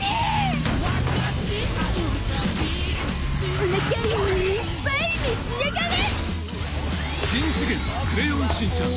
おなかいっぱい召し上がれ！